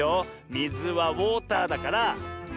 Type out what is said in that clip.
みずはウォーターだからウォーター。